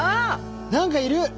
何かいる！